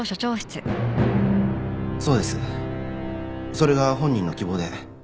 それが本人の希望で。